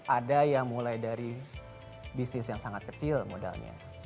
ada yang mulai dari bisnis yang sangat kecil modalnya